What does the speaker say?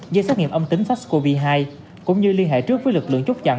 dây xét nghiệm âm tính sars cov hai cũng như liên hệ trước với lực lượng chốt chặn